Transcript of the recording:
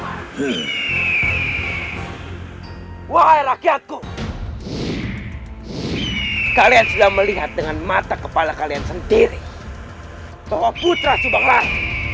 hai woi rakyatku kalian sudah melihat dengan mata kepala kalian sendiri bahwa putra sudah